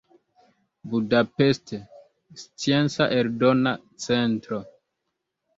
Budapest: Scienca Eldona Centro.